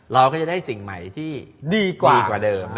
เราก็ได้สิ่งใหม่ที่ดีกว่าเดิม